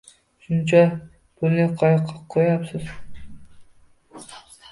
Shuncha pulni qayoqqa qo‘yyapsiz?